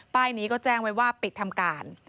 ป้ายนี้ก็แจ้งไว้ว่าปิดทำการ